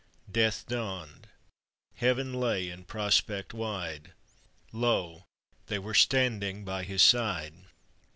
Death dawned; Heaven lay in prospect wide: Lo! they were standing by His side!